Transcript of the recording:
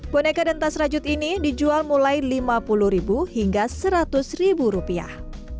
boneka dan tas rajut ini dijual mulai lima puluh ribu hingga seratus rupiah